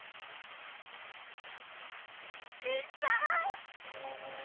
新さん！